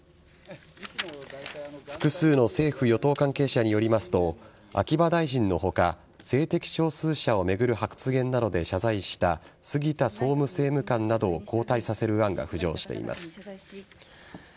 複数の政府与党関係者によりますと秋葉大臣の他性的少数者を巡る発言などで謝罪した杉田総務政務官などを交代させる案が浮上しています。